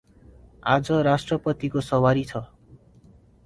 आज राष्ट्रपतिको सवारी छ ।